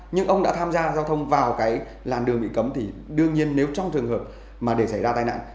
nhưng ông đã tham gia giao thông vào cái làn đường bị cấm thì đương nhiên nếu trong trường hợp mà để xảy ra tai nạn